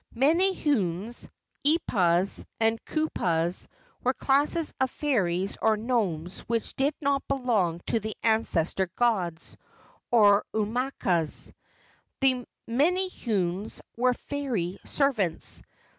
Menehunes, eepas, and kupuas were classes of fairies or gnomes which did not belong to the ancestor gods, or au makuas. The menehunes were fairy servants.